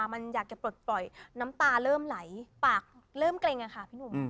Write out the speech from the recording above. มันอยากจะปลดปล่อยน้ำตาเริ่มไหลปากเริ่มเกร็งอะค่ะพี่หนุ่ม